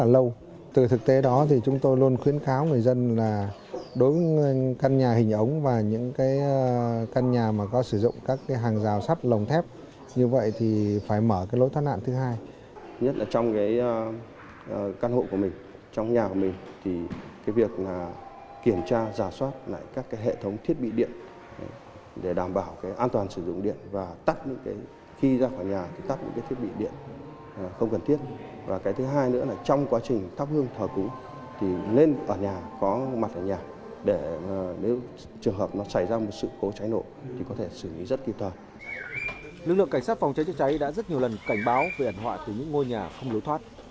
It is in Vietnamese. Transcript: lực lượng cảnh sát phòng cháy chế cháy đã rất nhiều lần cảnh báo về ẩn họa từ những ngôi nhà không lối thoát